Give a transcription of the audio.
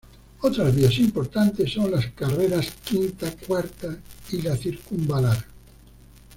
Otras vías importantes son las carreras Quinta, Cuarta y la Circunvalar.